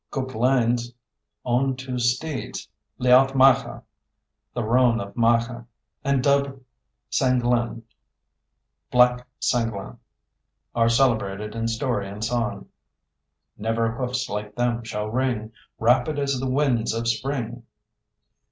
Cuchulainn's own two steeds, Liath Macha, "the Roan of Macha", and Dub Sainglenn, "Black Sanglan", are celebrated in story and song: Never hoofs like them shall ring, Rapid as the winds of spring.